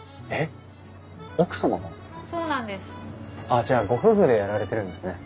あっじゃあご夫婦でやられてるんですね。